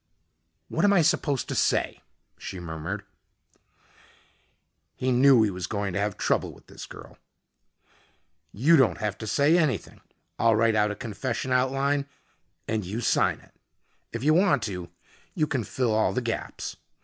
"What am I supposed to say?" she murmured. He knew he was going to have trouble with this girl. "You don't have to say anything. I'll write out a confession outline and you sign it. If you want to, you can fill all the gaps.